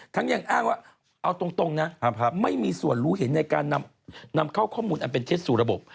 ยังอ้างว่าเอาตรงนะไม่มีส่วนรู้เห็นในการนำเข้าข้อมูลอันเป็นเท็จสู่ระบบ